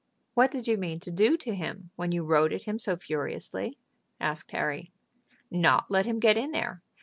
"What did you mean to do to him when you rode at him so furiously?" asked Harry. "Not let him get in there.